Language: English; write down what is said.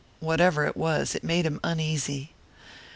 Whatever it was, it made him uneasy.